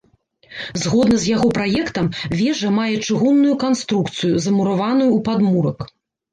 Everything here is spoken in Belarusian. Згодна з яго праектам, вежа мае чыгунную канструкцыю, замураваную ў падмурак.